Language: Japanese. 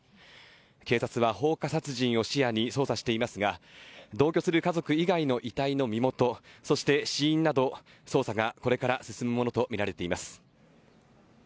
警察は放火殺人を視野に捜査していますが、同居する家族以外の遺体の身元、そして死因など捜査がこれから進むものとみられています。